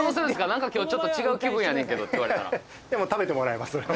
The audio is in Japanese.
「何か今日ちょっと違う気分やねんけど」って言われたらでも食べてもらいます